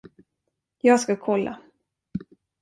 Jag ska kolla.